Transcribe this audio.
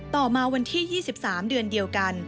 ต่อมาวันที่๒๓เดือนเดียวกัน